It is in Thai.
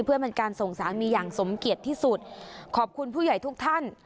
เพื่อเป็นการส่งสามีอย่างสมเกียจที่สุดขอบคุณผู้ใหญ่ทุกท่าน